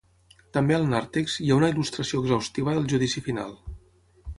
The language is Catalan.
També al nàrtex, hi ha una il·lustració exhaustiva del Judici Final.